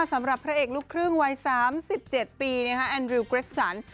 สำหรับพระเอกลูกครึ่งวัย๓๗ปีแอนดริวเกร็กซัน